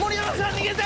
逃げて！